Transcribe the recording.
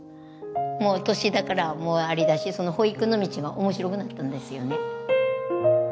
もう年だからあれだし保育の道が面白くなったんですよね。